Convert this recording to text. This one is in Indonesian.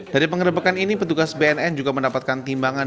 dari pengerebekan ini petugas bnn juga mendapatkan timbangan